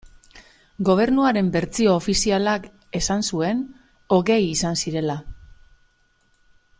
Gobernuaren bertsio ofizialak esan zuen hogei izan zirela.